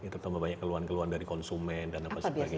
terutama banyak keluhan keluhan dari konsumen dan apa sebagainya